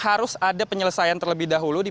harus ada penyelesaian terlebih dahulu di